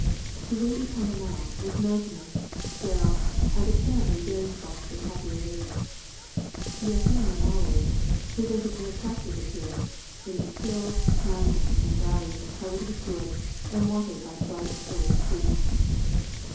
Tawai Pounamow was mountainous, sterile, and apparently very sparsely populated. Eaheinomauwe presented an attractive appearance, in its hills, mountains, and valleys covered with wood, and watered by bright flowing streams.